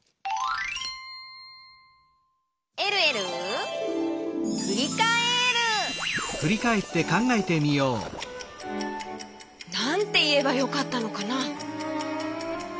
「えるえるふりかえる」なんていえばよかったのかな？